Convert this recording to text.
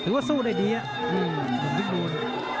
ถือว่าสู้ได้ดีลูดลูน